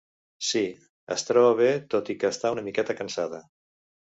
Sí, es troba bé tot i que està una miqueta cansada.